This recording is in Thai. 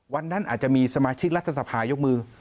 วันนั้นอาจจะมีสมาชิกรัฐสภายกมือ